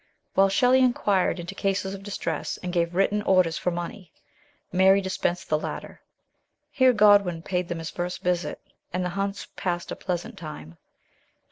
While Shelley enquired into cases of distress and gave written orders for money, Mary dispensed the latter. Here Godwin paid them his first visit, and the Hunts passed a pleasant time.